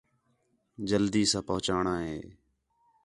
جلدی ساں پُہنچݨاں ہِے